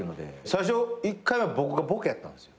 最初１回目は僕がボケやったんですよ。